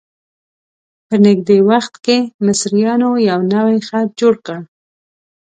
په نږدې وخت کې مصریانو یو نوی خط جوړ کړ.